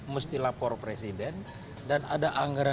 mesti lapor presiden dan ada anggaran